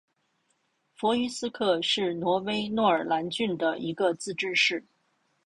弗于斯克是挪威诺尔兰郡的一个自治市。